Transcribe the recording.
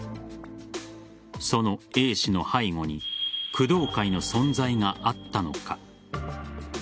そのＡ氏の背後に工藤会の存在があったのか。